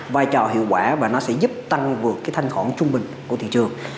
vai trò hiệu quả và nó sẽ giúp tăng vượt cái thanh khoản trung bình của thị trường